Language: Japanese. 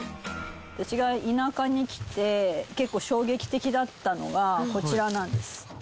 私が田舎に来て結構衝撃的だったのがこちらなんです。